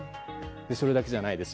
それだけじゃないです。